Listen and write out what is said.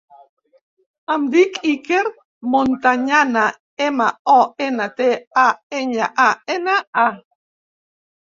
Em dic Iker Montañana: ema, o, ena, te, a, enya, a, ena, a.